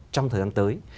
trong thời gian tới